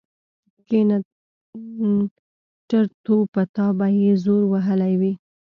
کېنه ټرتو په تا به يې زور وهلی وي.